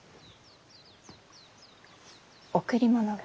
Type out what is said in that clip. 贈り物が。